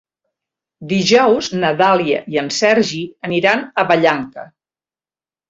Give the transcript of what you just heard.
Dijous na Dàlia i en Sergi aniran a Vallanca.